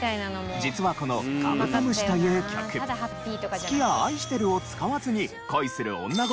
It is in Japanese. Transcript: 実はこの『カブトムシ』という曲「好き」や「愛してる」を使わずに恋する女心を見事に表現。